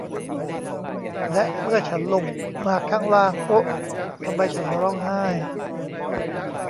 และเมื่อฉันลงมาข้างล่าง โอ๊ะ ทำไมฉันร้องไห้